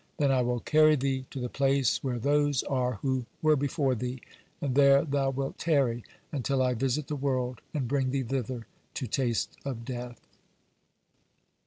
Then I will carry thee to the place where those are who were before thee, and there thou wilt tarry until I visit the world, and bring thee thither to taste of death."